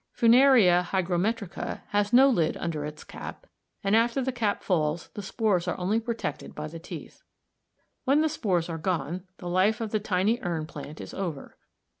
Funaria hygrometrica has no lid under its cap, and after the cap falls the spores are only protected by the teeth. When the spores are gone, the life of the tiny urn plant is over.